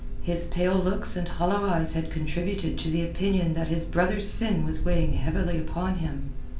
His pale looks and hollow eyes had contributed to the opinion that his brother's sin was weighing heavily upon him.